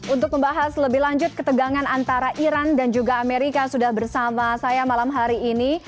untuk membahas lebih lanjut ketegangan antara iran dan juga amerika sudah bersama saya malam hari ini